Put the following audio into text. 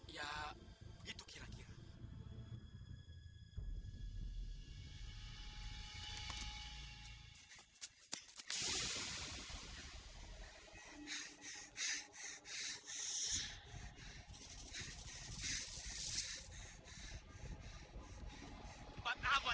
ya begitu kira kira